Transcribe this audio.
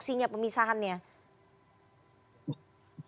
ini enggak jelas nih tupok pemisahannya